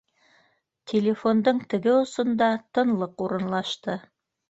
Телефондың теге осонда тынлыҡ урынлашты